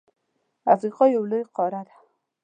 افریقا یو لوی قاره ده.